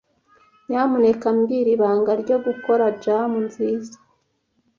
Nyamuneka mbwira ibanga ryo gukora jam nziza.